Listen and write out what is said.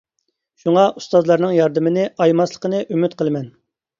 شۇڭا، ئۇستازلارنىڭ ياردىمىنى ئايىماسلىقىنى ئۈمىد قىلىمەن.